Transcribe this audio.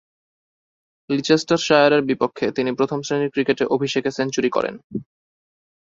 লিচেস্টারশায়ারের বিপক্ষে তিনি প্রথম-শ্রেণীর ক্রিকেটে অভিষেকে সেঞ্চুরি করেন।